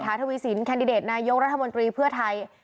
ทวีสินแคนดิเดตนายกรัฐมนตรีเพื่อไทย